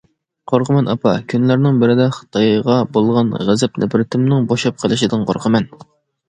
قورقىمەن ئاپا، كۈنلەرنىڭ بىرىدە خىتايغا بولغان غەزەپ- نەپرىتىمنىڭ بوشاپ قېلىشىدىن قورقىمەن.